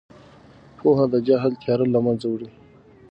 پوهه د جهل تیاره له منځه وړي.